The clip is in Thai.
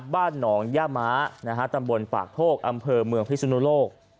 บ้านหนองย่าม้าตำบลปากโทกอำเภอเมืองพิศนุโลก